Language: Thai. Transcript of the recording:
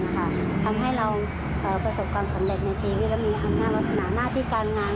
ทำให้เราประสบความสำเร็จในชีวิตและมีอำนาจลักษณะหน้าที่การงาน